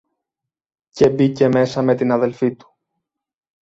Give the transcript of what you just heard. και μπήκε μέσα με την αδελφή του.